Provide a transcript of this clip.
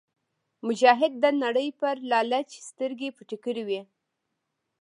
مجاهد د نړۍ پر لالچ سترګې پټې کړې وي.